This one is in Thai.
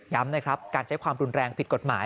นะครับการใช้ความรุนแรงผิดกฎหมาย